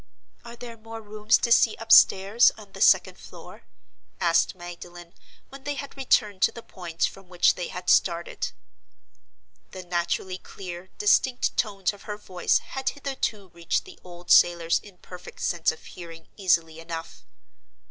"Are there more rooms to see upstairs, on the second floor?" asked Magdalen, when they had returned to the point from which they had started. The naturally clear, distinct tones of her voice had hitherto reached the old sailor's imperfect sense of hearing easily enough.